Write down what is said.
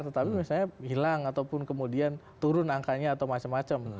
tetapi misalnya hilang ataupun kemudian turun angkanya atau macam macam